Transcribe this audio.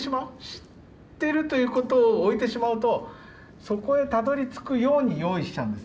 知ってるということを置いてしまうとそこへたどりつくように用意しちゃうんですね授業を。